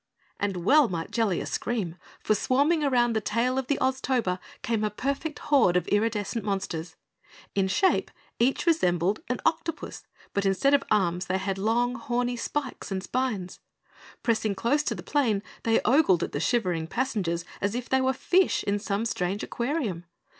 And well might Jellia scream, for swarming round the tail of the Oztober came a perfect horde of iridescent monsters. In shape each resembled an octopus, but instead of arms, they had long, horny spikes and spines. Pressing close to the plane they ogled at the shivering passengers as if they were fish in some strange aquarium.